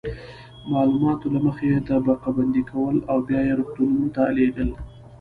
معلومات له مخې یې طبقه بندي کول او بیا یې روغتونونو ته لیږل.